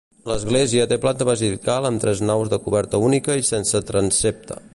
L'església té planta basilical amb tres naus de coberta única i sense transsepte.